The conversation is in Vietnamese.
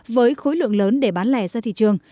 với khối lượng lớn để bán lẻ ra thị trường